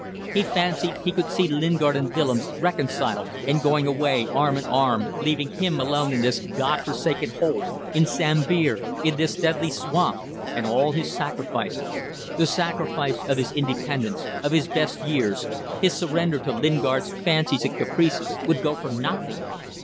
He fancied he could see Lingard and Willems reconciled and going away arm in arm, leaving him alone in this God forsaken hole in Sambir in this deadly swamp! And all his sacrifices, the sacrifice of his independence, of his best years, his surrender to Lingard's fancies and caprices, would go for nothing!